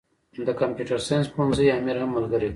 د کمپيوټر ساينس پوهنځي امر هم ملګری و.